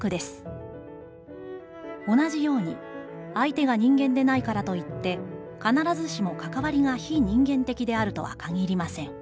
「同じように、相手が人間でないからといって、必ずしもかかわりが非人間的であるとは限りません」。